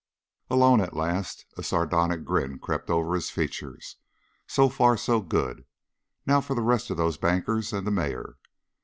Alone at last, a sardonic grin crept over his features. So far, so good. Now for the rest of those bankers and the mayor.